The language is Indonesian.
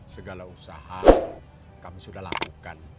segala usaha kami sudah lakukan